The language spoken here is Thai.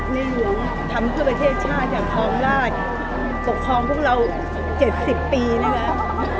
มีอยู่ทำเพื่อประเทศชาติแห่งพร้อมราชปกครองพวกเราเจ็ดสิบปีนะครับ